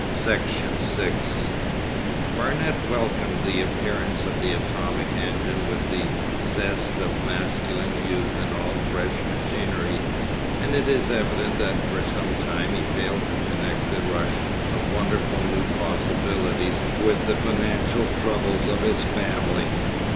Section 6 Barnet welcomed the appearance of the atomic engine with the zest of masculine youth in all fresh machinery, and it is evident that for some time he failed to connect the rush of wonderful new possibilities with the financial troubles of his family.